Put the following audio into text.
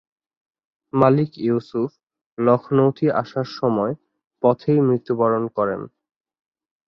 মালিক ইউসুফ লখনৌতি আসার সময় পথেই মৃত্যুবরণ করেন।